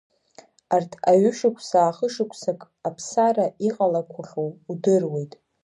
Арҭ аҩышықәсаахышықәсак Аԥсара иҟалақәахьоу удыруеит.